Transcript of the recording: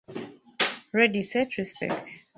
Ready, Set, Respect!